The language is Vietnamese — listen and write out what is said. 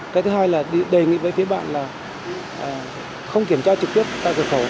cái thứ hai là đề nghị với phía bạn là không kiểm tra trực tiếp tại cửa khẩu